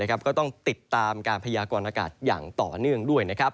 ก็ต้องติดตามการพยากรณากาศอย่างต่อเนื่องด้วย